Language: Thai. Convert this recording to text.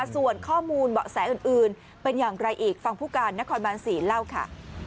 ส่วนข้อมูลเบาะแสอื่นเป็นอย่างไรอีกฟังผู้การนครบาน๔เล่าค่ะ